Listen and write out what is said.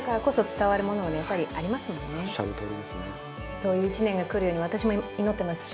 そういう一年が来るように私も祈っていますし。